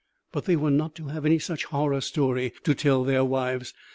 But they were not to have any such horror story to tell their wives.